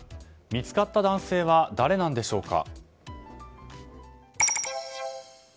見つかった男性は誰なんでしょうか。